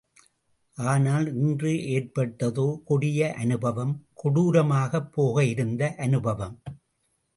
ஆனால் இன்று ஏற்பட்டதோ கொடிய அநுபவம்.... கொடூரமாகப் போகவிருந்த அனுபவம்.